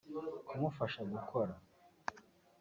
kumufasha gukora